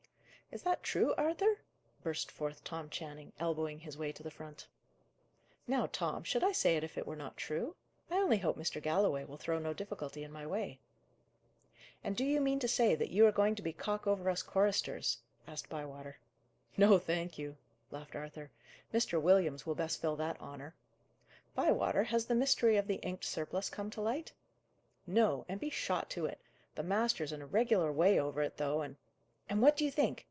"Is that true, Arthur?" burst forth Tom Channing, elbowing his way to the front. "Now, Tom, should I say it if it were not true? I only hope Mr. Galloway will throw no difficulty in my way." "And do you mean to say that you are going to be cock over us choristers?" asked Bywater. "No, thank you," laughed Arthur. "Mr. Williams will best fill that honour. Bywater, has the mystery of the inked surplice come to light?" "No, and be shot to it! The master's in a regular way over it, though, and " "And what do you think?"